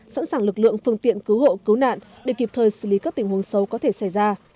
sẵn sàng lực lượng phương tiện cứu hộ cứu nạn để kịp thời xử lý các tình huống sâu có thể xảy ra